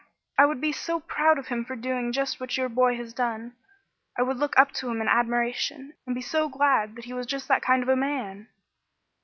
I would be so proud of him for doing just what your boy has done; I would look up to him in admiration, and be so glad that he was just that kind of a man!"